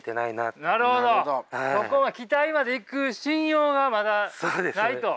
期待までいく信用がまだないと？